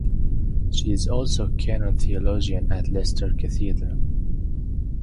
She is also canon theologian at Leicester Cathedral.